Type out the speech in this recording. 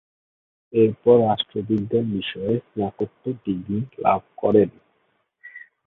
এরপর, রাষ্ট্রবিজ্ঞান বিষয়ে স্নাতকোত্তর ডিগ্রী লাভ করেন।